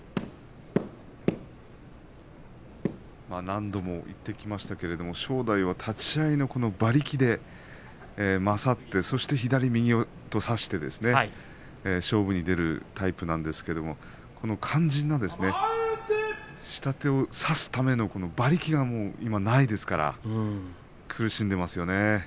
何度も言ってきましたけど正代は立ち合いの馬力で勝ってそして左、右と差して勝負に出るタイプなんですけど肝心な下手を差すための馬力が今ないですから苦しんでいますよね。